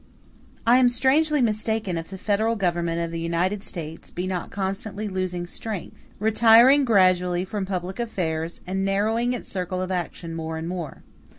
I am strangely mistaken if the Federal Government of the United States be not constantly losing strength, retiring gradually from public affairs, and narrowing its circle of action more and more.